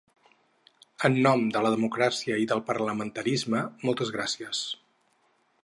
En nom de la democràcia i del parlamentarisme, moltes gràcies.